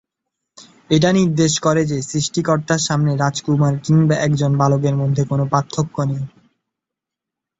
এটা নির্দেশ করে যে সৃষ্টিকর্তার সামনে রাজকুমার কিংবা একজন বালকের মধ্যে কোন পার্থক্য নেই।